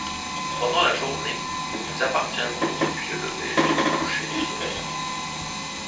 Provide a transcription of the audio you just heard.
Pendant la journée, nous vous appartiendrons depuis le lever jusqu’au coucher du soleil.